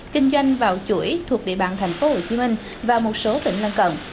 kinh doanh vào chuỗi thuộc địa bàn tp hcm và một số tỉnh lân cận